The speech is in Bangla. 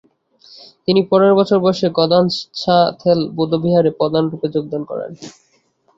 তিনি পনেরো বছর বয়সে গ্দান-সা-থেল বৌদ্ধবিহারে প্রধানরূপে যোগদান করেন।